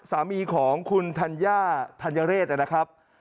สามีของคุณธัญญาธัญเรศนะครับ